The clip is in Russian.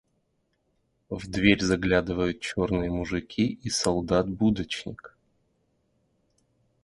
В дверь заглядывают черные мужики и солдат-будочник.